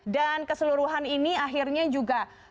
dan keseluruhan ini akhirnya juga